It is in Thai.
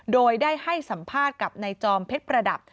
โดยได้ให้สัมภาษณ์กับนายจอมเพชรประดับ